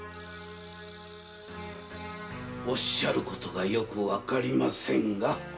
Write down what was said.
おっしゃることがよくわかりませんが。